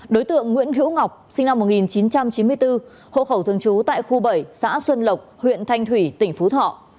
đối tượng nguyễn hữu ngọc sinh năm một nghìn chín trăm chín mươi bốn hộ khẩu thường trú tại khu bảy xã xuân lộc huyện thanh thủy tỉnh phú thọ